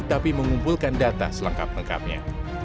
tapi mengumpulkan data selengkap lengkapnya